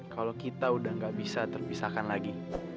kalau kita udah gak bisa terpisahkan lagi